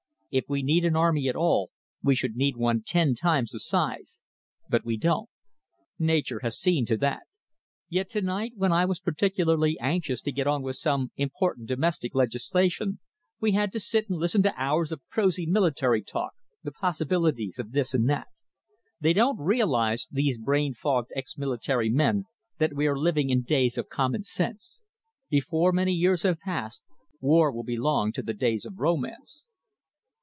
If we need an army at all, we should need one ten times the size, but we don't. Nature has seen to that. Yet tonight, when I was particularly anxious to get on with some important domestic legislation, we had to sit and listen to hours of prosy military talk, the possibilities of this and that. They don't realise, these brain fogged ex military men, that we are living in days of common sense. Before many years have passed, war will belong to the days of romance."